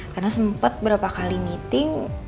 karena sempet berapa kali meeting